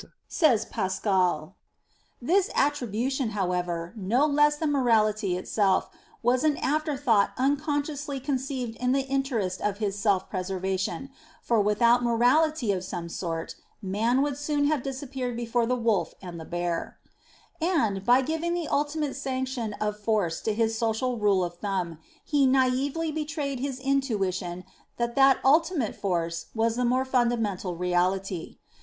" N ayant pas pu faire que le juste soit fort, nous avons fait que le fort soit juste," says Pascal. This attribution, however, no less than morality itself, was an afterthought unconsciously conceived in the interest of his self preservation for, without morality of some sort, man would soon have disappeared before the wolf and the bear. And, by giving the ultimate sanction of force to his social rule of thumb, he naively betrayed his intuition that that ultimate force was the more fundamental reality.